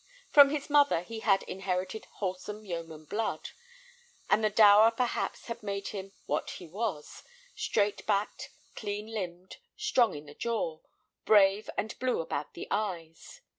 From his mother he had inherited wholesome yeoman blood, and the dower perhaps had made him what he was, straight backed, clean limbed, strong in the jaw, brave and blue about the eyes.